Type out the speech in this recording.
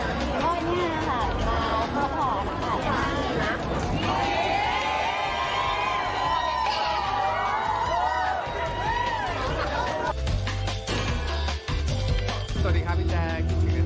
เราต้องที่สูญนกันไหมครับก่อนทำให้เรื่องนี้